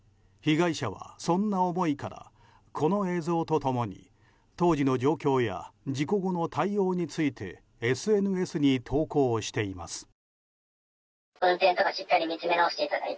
被害者は、そんな思いからこの映像と共に当時の状況や事故後の対応についてＳＮＳに投稿しています。